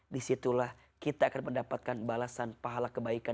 disitulah kita akan mendapatkan balasan pahala kebaikan